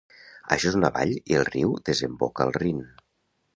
Això és una vall i el riu desemboca al Rin.